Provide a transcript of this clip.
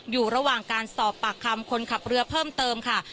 อยู่ระหว่างการสอบปากคำคนขับเรือเพิ่มเติมค่ะ